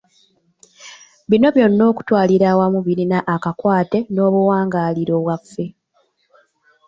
Bino byonna okutwalira awamu birina akakwate n'obuwangaaliro bwaffe.